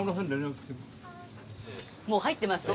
もう入ってます。